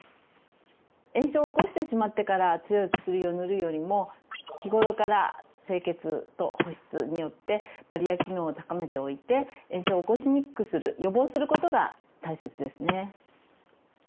炎症を起こしてしまってから強い薬を塗るよりも日頃から清潔と保湿によってバリア機能を高めておいて炎症を起こしにくくする予防することが大切ですね。